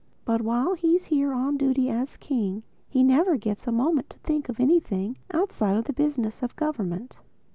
But while he is here on duty as king he never gets a moment to think of anything outside of the business of government."